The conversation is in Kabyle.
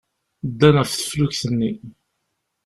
Ddan ɣef teflukt-nni.